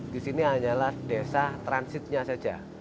di sini hanyalah desa transitnya saja